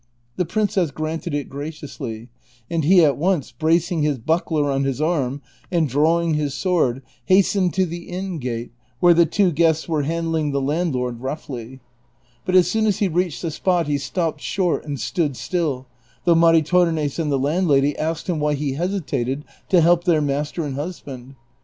The princess granted it graciously, and he at once, bracing his buckler on his arm and drawing his sword, hastened to the inn gate, where the two guests were handling the landlord roughly ; but as soon as he reached the spot he stopped short and stood still, though Maritornes and the landlady asked him why he hesitated to help their master and husband.